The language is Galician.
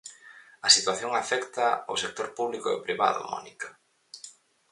A situación afecta o sector público e o privado, Mónica.